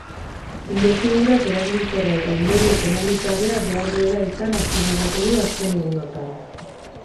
Inbestidurak eraginkorra eta ondorio penalik gabea behar duela izan azpimarratu du azken egunotan.